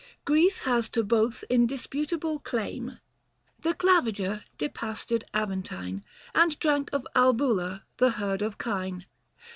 Greece has to both indisputable claim. The Claviger depastured Aventine, 75 And drank of Albula the herd of kine.